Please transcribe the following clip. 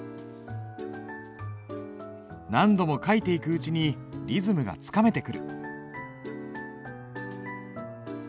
何度も書いていくうちにリズムがつかめてくる。